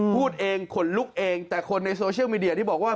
พูดเองขนลุกเองแต่คนในโซเชียลมีเดียที่บอกว่า